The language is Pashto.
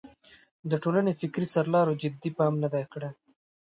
د ټولنې فکري سرلارو جدي پام نه دی کړی.